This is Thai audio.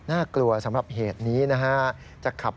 น่ากลัวสำหรับเหตุนี้นะฮะจะขับ